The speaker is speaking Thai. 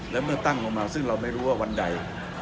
และเมื่อตั้งลงมาซึ่งเราไม่รู้ว่าวันใด